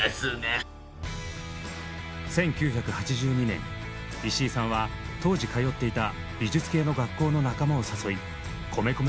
１９８２年石井さんは当時通っていた美術系の学校の仲間を誘い米米